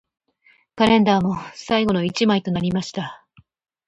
カレンダーも最後の一枚となりました